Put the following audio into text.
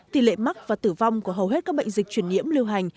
tỷ lệ mắc và tử vong của hầu hết các bệnh dịch chuyển nhiễm lưu hành